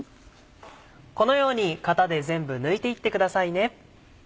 このように型で全部抜いていってくださいね。